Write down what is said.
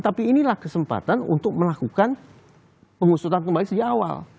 tapi inilah kesempatan untuk melakukan pengusutan kembali sejak awal